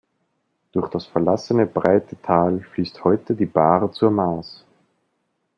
Durch das verlassene breite Tal fließt heute die Bar zur Maas.